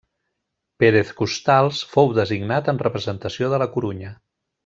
Pérez Costals fou designat en representació de la Corunya.